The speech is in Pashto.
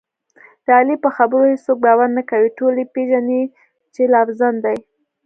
د علي په خبرو هېڅوک باور نه کوي، ټول یې پېژني چې لافزن دی.